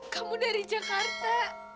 kamu dari jakarta